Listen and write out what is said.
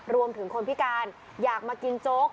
รวมถึงคนพิการอยากมากินโจ๊ก